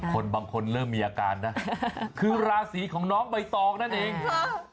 คนบางคนเริ่มมีอาการนะคือราศีของน้องใบตองนั่นเอง